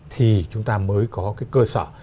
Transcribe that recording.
thì chúng ta mới có cái cơ sở